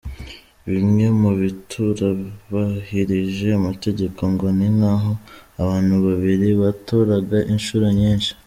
Bimwe mu bitarubahirije amategeko ngo ni nk’aho abantu babiri batoraga inshuro nyinshi.